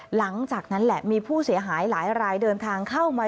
หลังจากนั้นแหละมีผู้เสียหายหลายรายเดินทางเข้ามา